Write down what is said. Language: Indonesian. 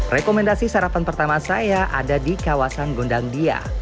rekomendasi sarapan pertama saya ada di kawasan gondang dia